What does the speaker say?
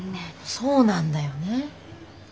そうなんだよね。